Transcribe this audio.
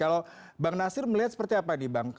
kalau bang nasir melihat seperti apa nih bang